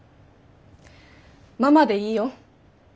ママでいいよ。